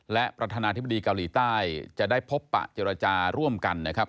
และประธานาธิบดีเกาหลีใต้จะได้พบปะเจรจาร่วมกันนะครับ